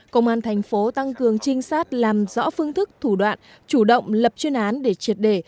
công an thành phố tăng cường trinh sát làm rõ phương thức thủ đoạn chủ động lập chuyên án để triệt đề